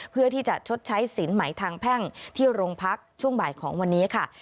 เพื่อที่จะชดใช้สินใหม่ทางแพ่งที่โรงพักช่วงบ่ายของวันนี้ค่ะ